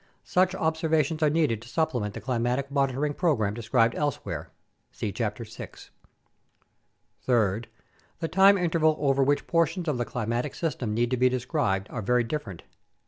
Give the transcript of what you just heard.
Such observations are needed to supplement the climatic monitoring program described elsewhere (see Chapter 6). Third, the time interval over which portions of the climatic system need to be described are very different.